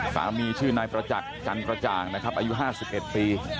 สามีชื่อนายประจักรจันร์ประจ่างนะครับอายุห้าสิบเอ็ดปี